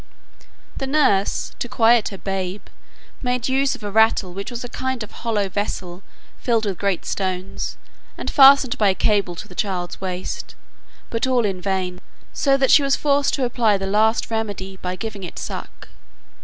The nurse, to quiet her babe, made use of a rattle which was a kind of hollow vessel filled with great stones, and fastened by a cable to the child's waist: but all in vain; so that she was forced to apply the last remedy by giving it suck.